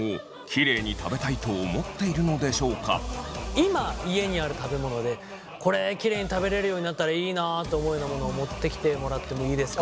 今家にある食べ物でこれキレイに食べれるようになったらいいなと思うようなものを持ってきてもらってもいいですか？